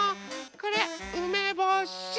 これうめぼし。